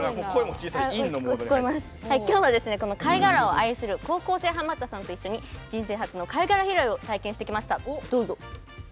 きょうは、この貝殻を愛する高校生ハマったさんといっしょに人生初の貝殻拾いを体験してきました。